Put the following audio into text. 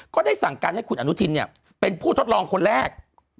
ก็ได้สั่งการให้คุณอนุทินเนี่ยเป็นผู้ทดลองคนแรก